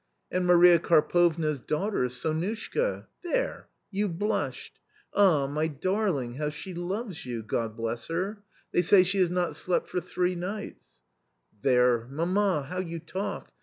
And Maria "Karpovna's daughter/ Sonushta?* There— you blusKecT Ah, my darling, how shejoves jou — God bless her ! They say she has not slept foFthree nights 1" " There ! Mamma ! how you talk